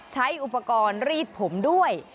ใช้อุปกรณ์รีดผมด้วย